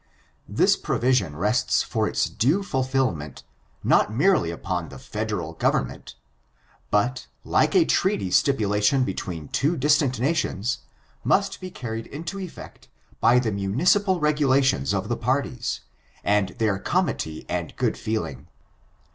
* This provision rests for its due fulfilment, not merely upon the Federal Government, but, like a treaty stipulation between distant nations, must be carried into efiect by the municipal regulations of the parties, and their comity and good feeling.